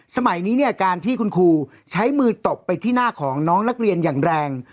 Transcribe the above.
สมัยนี้เนี่ยการที่คุณครูใช้มือตบไปที่หน้าของน้องนักเรียนอย่างแรง